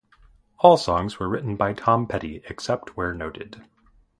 All songs were written by Tom Petty, except where noted.